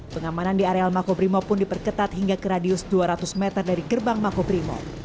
pengamanan di areal mako brimo pun diperketat hingga ke radius dua ratus meter dari gerbang mako brimo